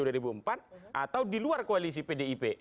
atau di luar koalisi pdip